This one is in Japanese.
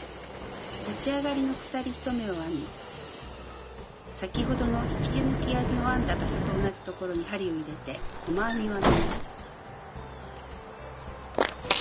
立ち上がりの鎖１目を編み先ほどの引き抜き編みを編んだ場所と同じ所に針を入れて細編みを編みます。